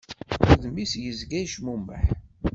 Udem-is yezga yecmumeḥ.